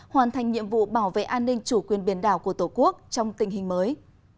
hoàn thành nhiệm vụ bảo vệ an ninh chủ quyền biển đảo của tổ quốc trong tình hình mới